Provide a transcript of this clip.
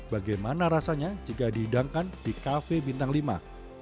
bagaimana rasanya jika dihidangkan di kafe bintang lima